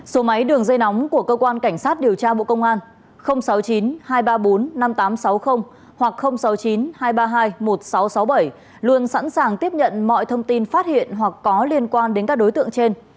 số máy đường dây nóng của cơ quan cảnh sát điều tra bộ công an sáu mươi chín hai trăm ba mươi bốn năm nghìn tám trăm sáu mươi hoặc sáu mươi chín hai trăm ba mươi hai một nghìn sáu trăm sáu mươi bảy luôn sẵn sàng tiếp nhận mọi thông tin phát hiện hoặc có liên quan đến các đối tượng trên